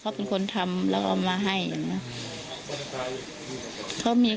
เขาเป็นคนทำแล้วก็มาให้มา